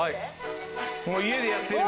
もう家でやってる。